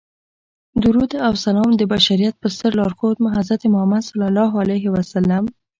درود او سلام د بشریت په ستر لارښود حضرت محمد صلی الله علیه وسلم.